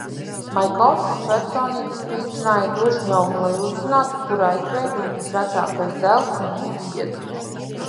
Maikovskis personīgi spīdzināja Glušņovu, lai uzzinātu, kur aizbēga viņas vecākais dēls un viņa biedri.